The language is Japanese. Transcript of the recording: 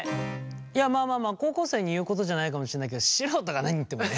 いやまあまあまあ高校生に言うことじゃないかもしれないけど素人が何言ってもね。